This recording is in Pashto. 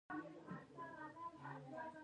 د اوسپنې او ډبرو سکرو کانونه هم دلته راځي.